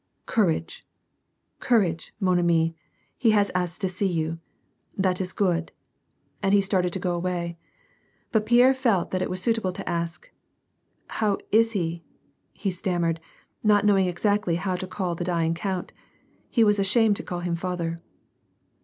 " Cour age, courage, wo/i ami/ he has asked to see you. That is* good," and he started to go away. But Pierre felt that it was suitable to ask, —" How is he," he stammered, not knowing exactly how to call the dying count ; he was ashamed to call him father.